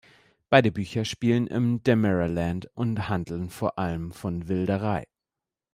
Beide Bücher spielen im Damaraland und handeln vor allem von Wilderei.